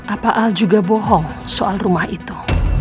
apa al juga bohong soal rumah itu